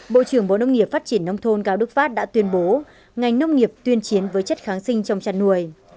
bộ trưởng bộ nông nghiệp phát triển nông thôn cao đức pháp đã tuyên bố ngành nông nghiệp tuyên chiến với chất kháng sinh trong chăn nuôi